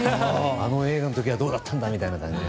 あの映画の時はどうだったんだみたいな感じで。